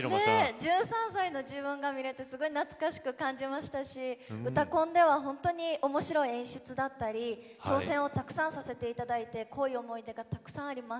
１３歳の自分が見れてすごく懐かしく見れましたし「うたコン」はすごくおもしろい演出だったり挑戦をさせていただいて思い出がたくさんあります。